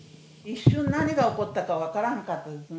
一瞬、何が起こったか分からんかったです。